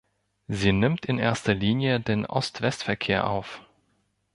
Sie nimmt in erster Linie den Ostwestverkehr auf.